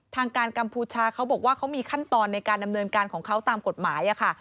ทางการกัมพูชาเขาบอกว่าเขามีขั้นตอนในการดำเนินการของเขาตามกฎหมายค่ะ